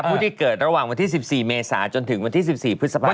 ผู้ที่เกิดระหว่างวันที่๑๔เมษาจนถึงวันที่๑๔พฤษภาค